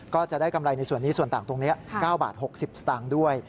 ก็จะได้กำไรในส่วนนี้ส่วนต่างตรงนี้๙บาท๖๐สตางค์ด้วย